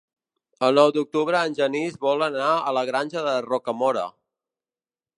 El nou d'octubre en Genís vol anar a la Granja de Rocamora.